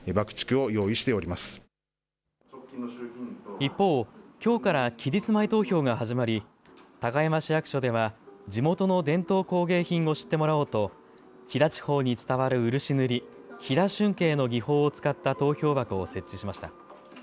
一方、きょうから期日前投票が始まり高山市役所では地元の伝統工芸品を知ってもらおうと飛騨地方に伝わる漆塗り、飛騨春慶の技法を使った投票箱を設置しました。